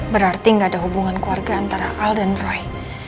berarti gak ada hubungan keluarga antara al dan rai